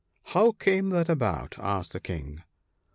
* How came that about ?' asked the King.